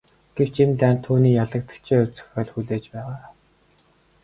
Гэвч энэ дайнд түүнийг ялагдагчийн хувь зохиол хүлээж байгаа.